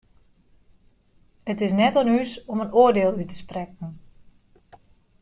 It is net oan ús om in oardiel út te sprekken.